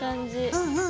うんうん。